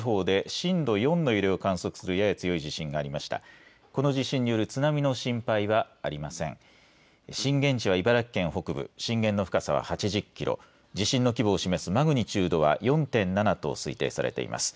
震源地は茨城県北部、震源の深さは８０キロ、地震の規模を示すマグニチュードは４．７と推定されています。